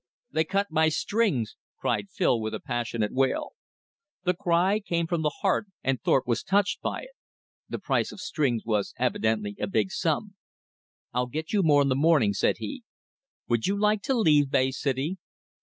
"They cut my strings!" cried Phil with a passionate wail. The cry came from the heart, and Thorpe was touched by it. The price of strings was evidently a big sum. "I'll get you more in the morning," said he. "Would you like to leave Bay City?"